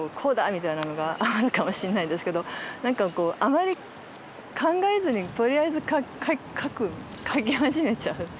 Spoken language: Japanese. みたいなのがあるかもしんないですけど何かこうあまり考えずにとりあえず描く描き始めちゃう。